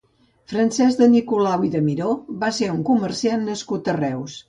Francesc de Nicolau i de Miró va ser un comerciant nascut a Reus.